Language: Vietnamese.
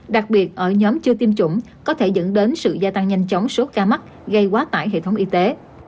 đặc biệt ở nhóm chưa tiêm chủng có thể dẫn đến sự gia tăng nhanh chóng số ca mắc gây quá tải hệ thống y tế